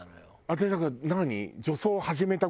私だから何？